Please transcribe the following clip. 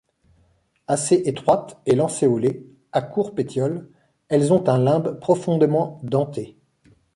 Assez étroites et lancéolées, à court pétiole, elles ont un limbe profondément denté.